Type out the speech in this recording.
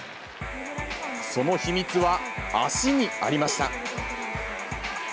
その秘密は、足にありました。